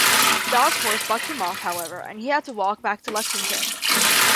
Dawes's horse bucked him off, however, and he had to walk back to Lexington.